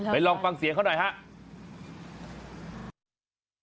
ลองฟังเสียงเขาหน่อยครับ